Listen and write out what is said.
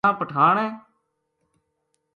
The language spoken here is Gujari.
نہ پٹھان ہے